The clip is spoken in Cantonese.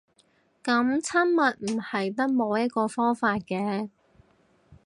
噉親密唔係得摸一個方法嘅